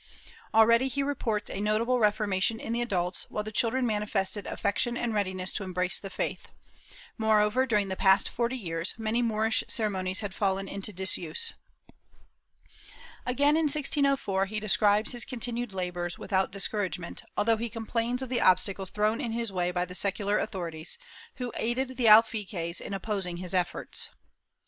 Already he reports a notable reformation in the adults, while the children manifested affection and readiness to embrace the faith; moreover, during the past forty years, many Moorish ceremonies had fallen into disuse. Again, in 1604, he describes his continued labors without discouragement, although he complains of the obstacles thrown in his way by the secular authorities, who aided the alfaquies in opposing his efforts.